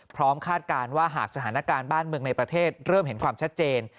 คาดการณ์ว่าหากสถานการณ์บ้านเมืองในประเทศเริ่มเห็นความชัดเจน